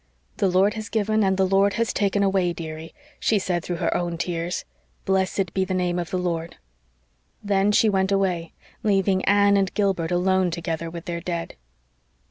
"The Lord has given and the Lord has taken away, dearie," she said through her own tears. "Blessed be the name of the Lord." Then she went away, leaving Anne and Gilbert alone together with their dead.